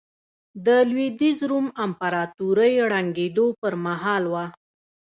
د لوېدیځ روم امپراتورۍ ړنګېدو پرمهال وه.